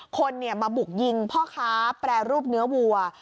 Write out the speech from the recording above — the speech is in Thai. คนมาบุกยิงพ่อค้าแปรรูปเนื้อวัว